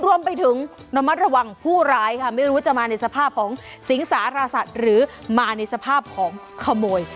รวมไปถึงระมัดระวังผู้ร้ายค่ะไม่รู้จะมาในสภาพของสิงสารสัตว์หรือมาในสภาพของขโมย